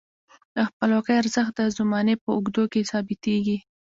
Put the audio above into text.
د خپلواکۍ ارزښت د زمانې په اوږدو کې ثابتیږي.